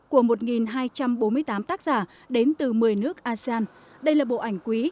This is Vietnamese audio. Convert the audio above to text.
của một hai trăm bốn mươi tám tác giả đến từ một mươi nước asean đây là bộ ảnh quý